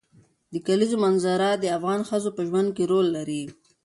د کلیزو منظره د افغان ښځو په ژوند کې رول لري.